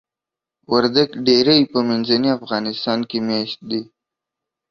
وردګ ډیری په منځني افغانستان کې میشت دي.